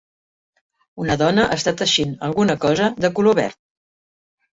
Una dona està teixint alguna cosa de color verd..